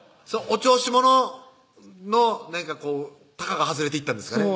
お調子者のなんかこうたがが外れていったんですかね